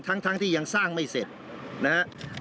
ทั้งที่ยังสร้างไม่เสร็จนะครับ